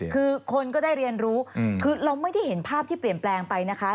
คือคนก็ได้เรียนรู้คือเราไม่ได้เห็นภาพที่เปลี่ยนแปลงไปนะคะ